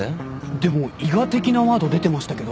でも伊賀的なワード出てましたけど？